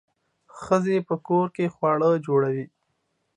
ښځې په کور کې خواړه جوړوي.